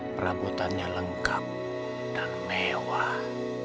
perabotannya lengkap dan mewah